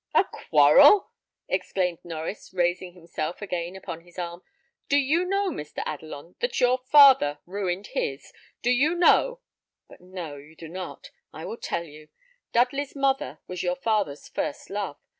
"A quarrel!" exclaimed Norries, raising himself again upon his arm. "Do you know, Mr. Adelon, that your father ruined his? Do you know but no, you do not; I will tell you. Dudley's mother was your father's first love.